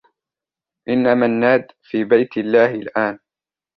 إنّ منّاد في بيت الله الآن.